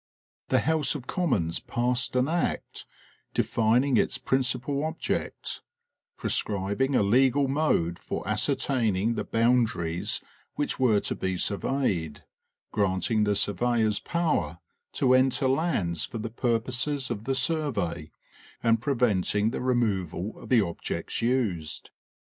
The House of Commons passed an act defining its principal object, prescribing a legal mode for ascertaining the boundaries which were to be surveyed, granting the surveyors power to enter lands for the purposes of the survey, and preventing the removal of the objects used.